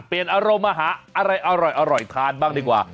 อารมณ์มาหาอะไรอร่อยทานบ้างดีกว่า